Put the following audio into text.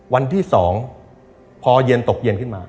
วันที่๒พอเย็นตกเย็นขึ้นมา